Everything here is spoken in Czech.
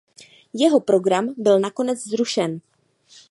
Jeho program byl nakonec zrušen.